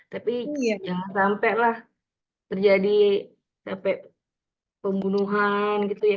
tapi jangan sampai lah terjadi pemunuhan gitu ya